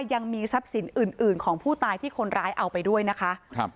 ยังมีทรัพย์สินอื่นอื่นของผู้ตายที่คนร้ายเอาไปด้วยนะคะครับ